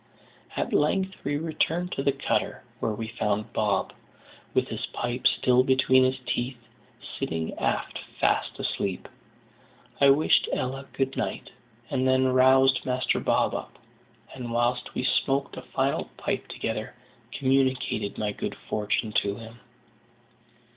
At length we returned to the cutter, where we found Bob, with his pipe still between his teeth, sitting aft fast asleep. I wished Ella "good night," and then roused Master Bob up; and whilst we smoked a final pipe together, communicated my good fortune to him.